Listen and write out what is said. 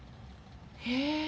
へえ。